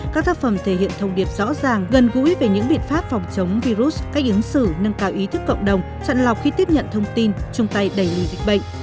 các tác phẩm thể hiện thông điệp rõ ràng gần gũi về những biện pháp phòng chống virus cách ứng xử nâng cao ý thức cộng đồng chặn lọc khi tiếp nhận thông tin chung tay đẩy lùi dịch bệnh